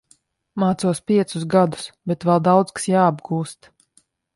Mācos piecus gadus, bet vēl daudz kas jāapgūst.